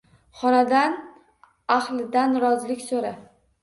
Xonadan ahlidan rozilik so`ra